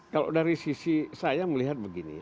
kalau dari sisi saya melihat begini